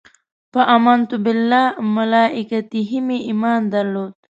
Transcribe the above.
په امنت بالله ملایکته مې ایمان درلود.